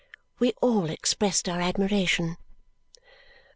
We all expressed our admiration.